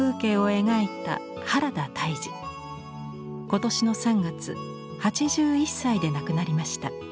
今年の３月８１歳で亡くなりました。